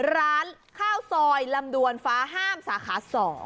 ร้านข้าวซอยลำดวนฟ้าห้ามสาขา๒